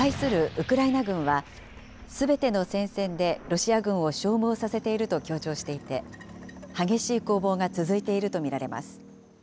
ウクライナ軍は、すべての戦線でロシア軍を消耗させていると強調していて、激しい攻防が続いていると見られます。